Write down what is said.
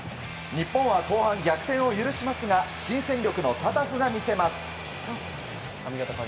日本は後半逆転を許しますが新戦力のタタフが見せます。